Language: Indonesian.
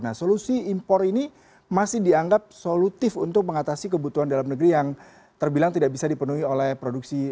nah solusi impor ini masih dianggap solutif untuk mengatasi kebutuhan dalam negeri yang terbilang tidak bisa dipenuhi oleh produksi